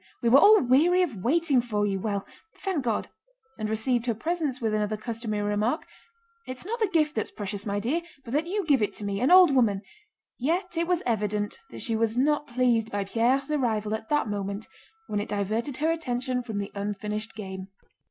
We were all weary of waiting for you. Well, thank God!" and received her presents with another customary remark: "It's not the gift that's precious, my dear, but that you give it to me, an old woman..."—yet it was evident that she was not pleased by Pierre's arrival at that moment when it diverted her attention from the unfinished game.